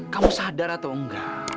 kamu sadar atau enggak